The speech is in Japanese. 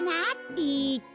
えっと。